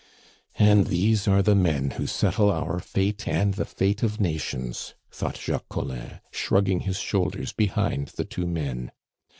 "And these are the men who settle our fate and the fate of nations," thought Jacques Collin, shrugging his shoulders behind the two men.